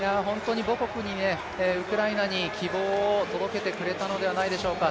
母国に、ウクライナに希望を届けてくれたのではないでしょうか。